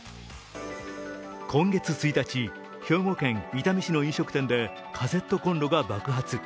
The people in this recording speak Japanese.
今月１日、兵庫県伊丹市の飲食店でカセットコンロが爆発。